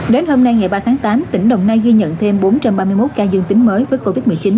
đến hôm nay ngày ba tháng tám tỉnh đồng nai ghi nhận thêm bốn trăm ba mươi một ca dương tính mới với covid một mươi chín